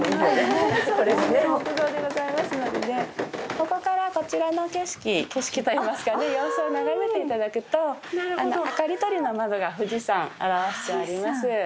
ここからこちらの景色景色といいますかね様子を眺めて頂くと明かり取りの窓が富士山表しております。